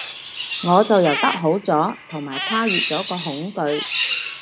我就游得好咗，同埋跨越咗個恐懼